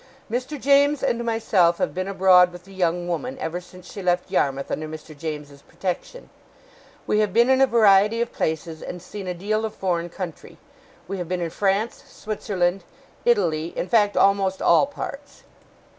'Mr. James and myself have been abroad with the young woman, ever since she left Yarmouth under Mr. James's protection. We have been in a variety of places, and seen a deal of foreign country. We have been in France, Switzerland, Italy, in fact, almost all parts.